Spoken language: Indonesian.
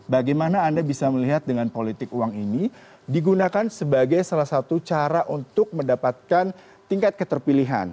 bagaimana anda bisa melihat dengan politik uang ini digunakan sebagai salah satu cara untuk mendapatkan tingkat keterpilihan